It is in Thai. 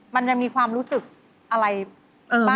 มันจะมีความรู้สึกอะไรบ้างเป็น